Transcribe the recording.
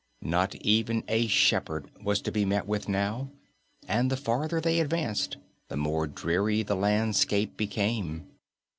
Not even a shepherd was to be met with now, and the farther they advanced the more dreary the landscape became.